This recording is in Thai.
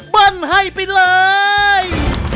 เปิ้ลให้ไปเลย